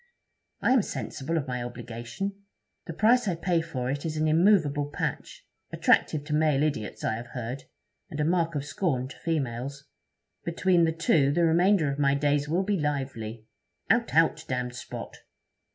I am sensible of my obligation. The price I pay for it is an immovable patch attractive to male idiots, I have heard, and a mark of scorn to females. Between the two the remainder of my days will be lively. "Out, out, damned spot!"